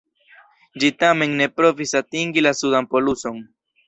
Ĝi tamen ne provis atingi la sudan poluson.